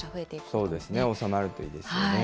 そうですね、収まるといいですね。